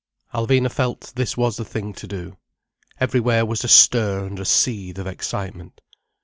Alvina felt this was the thing to do. Everywhere was a stir and a seethe of excitement.